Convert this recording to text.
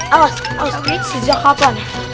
awas awas ini sejak kapan ya